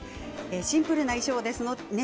シンプルな衣装ですね。